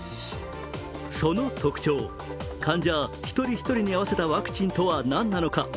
その特徴、患者一人一人に合わせたワクチンとは何なのか。